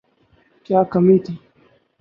کیا کمی تھی۔